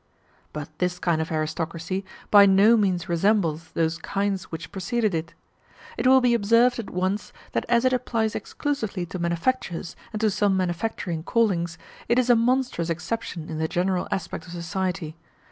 But this kind of aristocracy by no means resembles those kinds which preceded it. It will be observed at once, that as it applies exclusively to manufactures and to some manufacturing callings, it is a monstrous exception in the general aspect of society.